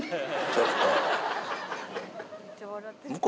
ちょっと！